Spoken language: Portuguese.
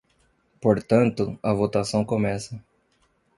Portanto, a votação começa.